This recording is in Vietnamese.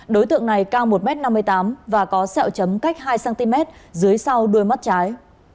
đối tượng này cao một m năm mươi tám và có sẹo chấm cách hai cm dưới sau đuôi mắt trái